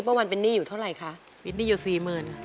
ป้าวันเป็นนี่อยู่เท่าไรคะเป็นนี่อยู่สี่หมื่น